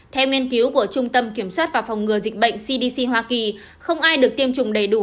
theo nghiên cứu của trung tâm kiểm soát và phòng ngừa dịch bệnh cdc hoa kỳ không ai được tiêm chủng đầy đủ